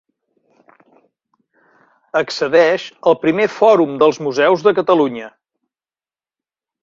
Accedeix al Primer Fòrum dels Museus de Catalunya.